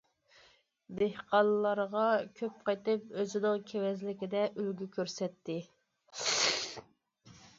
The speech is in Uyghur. دېھقانلارغا كۆپ قېتىم ئۆزىنىڭ كېۋەزلىكىدە ئۈلگە كۆرسەتتى.